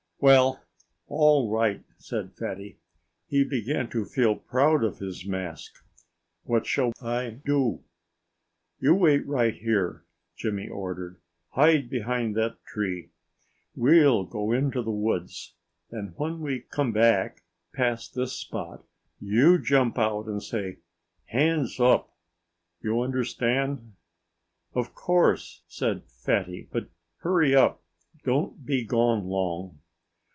"Well all right!" said Fatty. He began to feel proud of his mask. "What shall I do?" "You wait right here," Jimmy ordered. "Hide behind that tree. We'll go into the woods. And when we come back past this spot you jump out and say 'Hands up!' ... You understand?" "Of course!" said Fatty. "But hurry up! Don't be gone long."